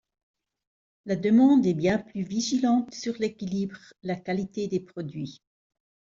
La demande est bien plus vigilante sur l’équilibre, la qualité des produits.